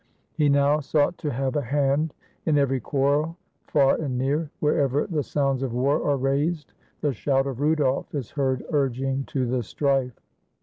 He now sought to have a hand in every quar rel, far and near. Wherever the sounds of war are raised, the shout of Rudolf is heard urging to the strife.